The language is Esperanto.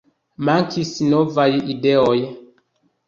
Mankis novaj ideoj.